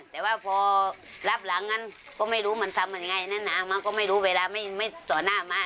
แต่ว่าพอรับหลังงั้นก็ไม่รู้มันทำยังไงนะมันก็ไม่รู้เวลาไม่ต่อหน้าม้า